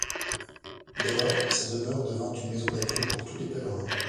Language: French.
Dès lors, sa demeure devint une maison d'accueil pour tous les pèlerins.